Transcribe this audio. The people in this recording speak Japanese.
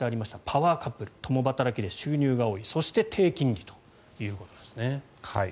パワーカップル共働きで収入が多いそして低金利ということですね。